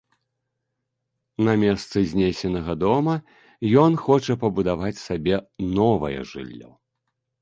На месцы знесенага дома ён хоча пабудаваць сабе новае жыллё.